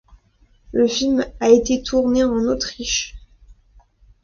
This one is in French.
Le film a été tourné en Autriche.